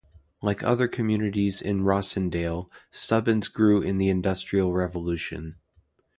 Like other communities in Rossendale, Stubbins grew in the Industrial Revolution.